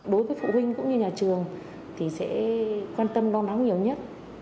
đối với phụ huynh cũng như nhà trường thì sẽ quan tâm lo lắng nhiều nhất